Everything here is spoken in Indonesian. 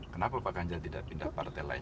kenapa pak ganjar tidak pindah partai lain